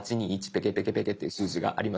ペケペケペケっていう数字がありますが。